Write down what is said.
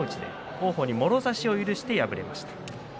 王鵬にもろ差しを許して敗れています。